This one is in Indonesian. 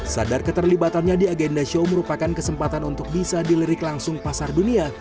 sadar keterlibatannya di agenda show merupakan kesempatan untuk bisa dilirik langsung pasar dunia